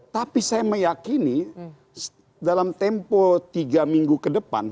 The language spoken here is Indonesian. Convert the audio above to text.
tapi saya meyakini dalam tempo tiga minggu ke depan